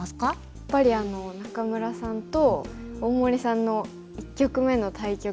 やっぱり仲邑さんと大森さんの１局目の対局が。